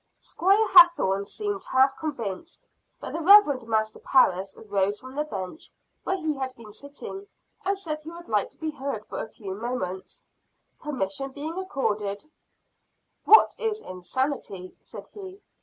Squire Hathorne seemed half convinced; but the Reverend Master Parris rose from the bench where he had been sitting, and said he would like to be heard for a few moments. Permission being accorded: "What is insanity?" said he.